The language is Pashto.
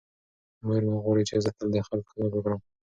مور مې غواړي چې زه تل د خلکو خدمت وکړم.